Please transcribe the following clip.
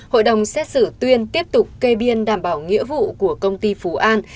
hội đồng xét xử tuyên tiếp tục kê biên đảm bảo nghĩa vụ của công ty phú an